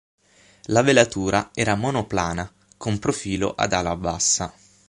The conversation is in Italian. La velatura era monoplana, con profilo ad ala bassa.